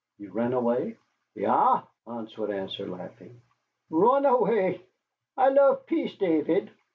"You ran away?" "Ja," Hans would answer, laughing, "run avay. I love peace, Tavid.